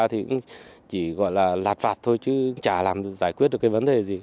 thì chỉ gọi là lạt vạt thôi chứ chả làm giải quyết được cái vấn đề gì